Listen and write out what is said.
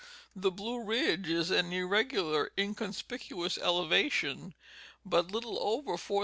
The Blue Ridge is an irregular, inconspicuous elevation but little Round about Ashemlle.